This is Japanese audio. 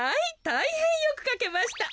たいへんよくかけました。